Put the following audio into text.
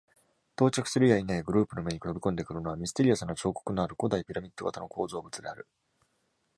到着するや否や、グループの目に飛び込んでくるのはミステリアスな彫刻のある古代ピラミッド型の構造物である。